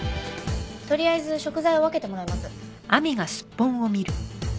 とりあえず食材を分けてもらいます。